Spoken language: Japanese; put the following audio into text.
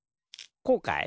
こうかい？